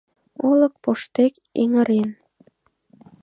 Олык поштек эҥырен